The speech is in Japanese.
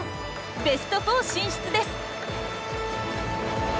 ベスト４進出です！